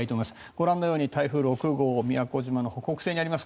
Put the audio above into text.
ご覧のように台風６号宮古島の北北西にあります。